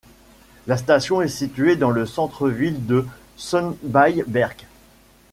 La station est située dans le centre ville de Sundbyberg.